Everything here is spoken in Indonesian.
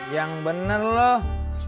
yang bener loh